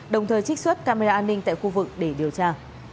đồng thời trích xuất camera an ninh tại khu vực để điều tra